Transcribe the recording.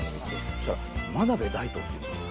そしたら「真鍋大度」って言うんですよ。